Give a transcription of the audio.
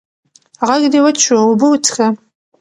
غږ دې وچ شو اوبه وڅښه!